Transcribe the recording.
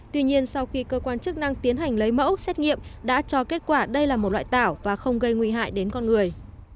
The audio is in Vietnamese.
tuy nhiên sau khi cơ quan chức năng tiến hành lấy mẫu xét nghiệm đã cho kết quả đây là một loại tảo và không gây nguy hại đến con người